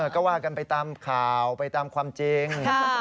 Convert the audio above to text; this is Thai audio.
ก็ว่ากันไปตามข่าวไปตามความจริง